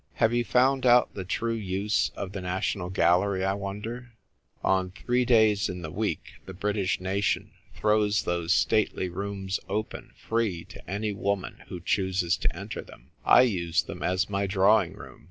Have you found out the true use of the National Gallery, I wonder ? On three days in the week the British nation throws those stately rooms open, free, to any woman who chooses to enter them. I use them as my drawing room.